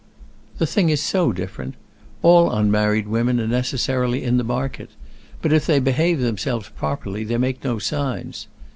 "The thing is so different. All unmarried women are necessarily in the market; but if they behave themselves properly they make no signs.